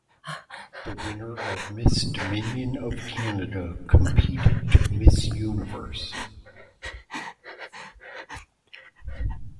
The winner of Miss Dominion of Canada competed to Miss Universe.